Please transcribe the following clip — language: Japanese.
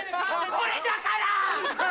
これだから！